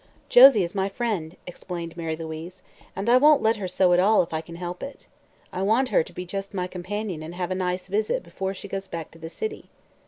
"Josie is my friend," explained Mary Louise, "and I won't let her sew at all, if I can help it. I want her to be just my companion and have a nice visit before she goes back to the city."